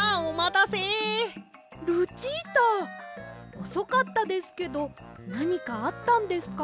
おそかったですけどなにかあったんですか？